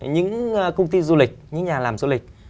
những công ty du lịch những nhà làm du lịch